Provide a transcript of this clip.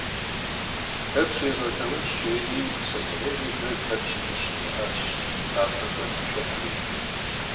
Lhepş yêzğelhağunş, – jjêri Setenêy mıver Lhepş yi ç'ışım yihaş, afem k'uets'işşıhri.